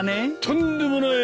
とんでもない！